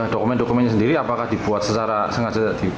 dokumen dokumennya sendiri apakah dibuat secara sengaja